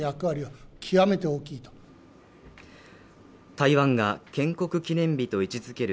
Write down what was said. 台湾が建国記念日と位置づける